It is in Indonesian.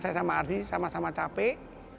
saya sama ardi sama sama capek